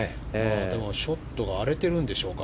ショットが荒れてるんでしょうか。